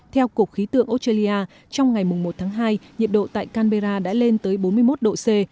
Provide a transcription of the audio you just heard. theo cục khí tượng australia trong ngày một tháng hai nhiệt độ tại canberra đã lên tới bốn mươi một độ c